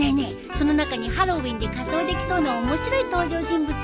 その中にハロウィーンで仮装できそうな面白い登場人物いない？